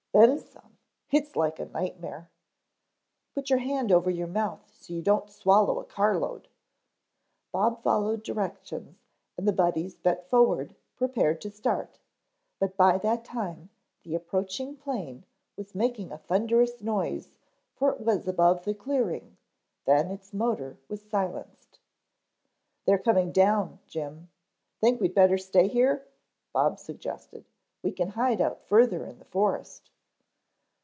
"Then some. It's like a nightmare." "Put your hand over your mouth so you don't swallow a carload." Bob followed directions, and the Buddies bent forward prepared to start, but by that time the approaching plane was making a thunderous noise for it was above the clearing, then its motor was silenced. "They are coming down, Jim. Think we'd better stay here?" Bob suggested. "We can hide out further in the forest."